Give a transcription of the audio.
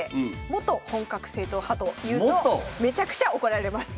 元本格正統派と言うとめちゃくちゃ怒られます。